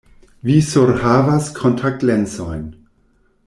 Vi surhavas kontaktlensojn.